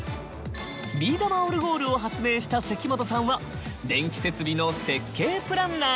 ビー玉オルゴールを発明した關本さんは電気設備の設計プランナーに。